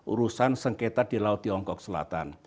urusan sengketa di laut tiongkok selatan